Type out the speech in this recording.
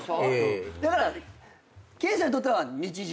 だから研さんにとっては日常。